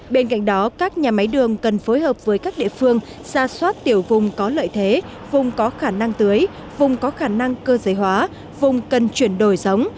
bên cạnh đó các nhà máy đường cần phối hợp với các địa phương xa xoát tiểu vùng có lợi thế vùng có khả năng tưới vùng có khả năng cơ giới hóa vùng cần chuyển đổi giống